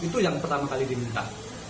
itu yang pertama kali diminta